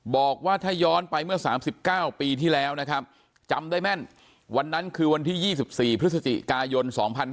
บอกว่าถ้าย้อนไปเมื่อ๓๙ปีที่แล้วนะครับจำได้แม่นวันนั้นคือวันที่๒๔พฤศจิกายน๒๕๕๙